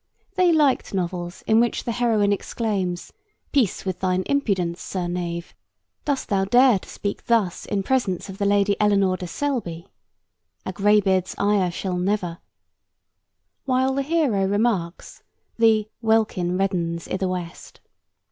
They liked novels in which the heroine exclaims, 'Peace with thine impudence, sir knave. Dost thou dare to speak thus in presence of the Lady Eleanore de Selby? ... A greybeard's ire shall never ,' while the hero remarks that 'the welkin reddenes i' the west.'